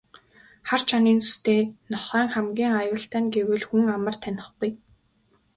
Хар чонын зүстэй нохойн хамгийн аюултай нь гэвэл хүн амар танихгүй.